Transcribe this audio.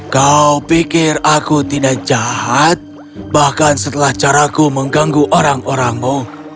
kau pikir aku tidak jahat bahkan setelah caraku mengganggu orang orangmu